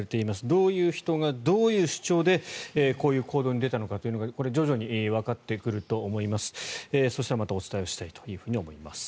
どういう人がどういう主張でこういう行動に出たのかというのが徐々にわかってくると思います。